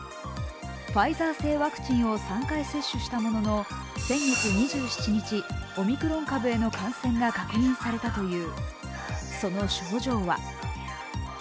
ファイザー製ワクチンを３回接種したものの先月２７日、オミクロン株への感染が確認されたという。